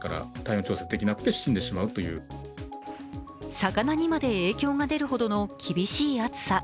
魚にまで影響が出るほどの厳しい暑さ。